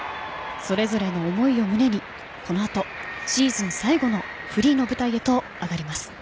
それぞれの思いを胸にこの後、シーズン最後のフリーの舞台へと上がります。